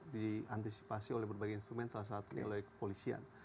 diantisipasi oleh berbagai instrumen salah satu dari kepolisian